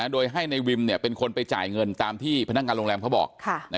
โดยให้ในวิมเป็นคนไปจ่ายเงินตามที่พนักงานโรงแรมเขาบอก